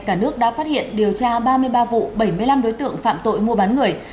cả nước đã phát hiện điều tra ba mươi ba vụ bảy mươi năm đối tượng phạm tội mua bán người